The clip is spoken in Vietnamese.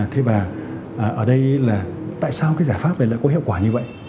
thế và ở đây là tại sao cái giải pháp này lại có hiệu quả như vậy